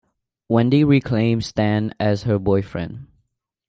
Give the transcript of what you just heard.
Wendy reclaims Stan as her boyfriend.